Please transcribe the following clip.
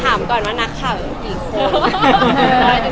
ถามก่อนว่านักข่าวยังกี่คน